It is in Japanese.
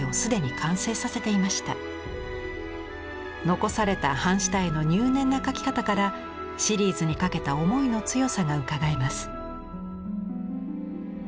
残された版下絵の入念な描き方からシリーズにかけた思いの強さがうかがえます。